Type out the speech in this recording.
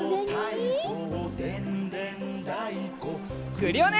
クリオネ！